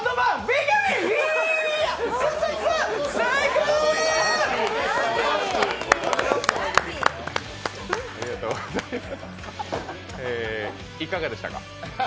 えー、いかがでしたか。